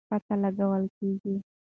پته لګول کېږي.